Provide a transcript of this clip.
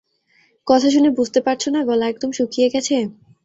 কথা শুনে বুঝতে পারছো না গলা একদম শুকিয়ে গেছে।